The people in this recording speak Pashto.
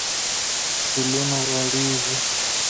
ګلونه غوړیږي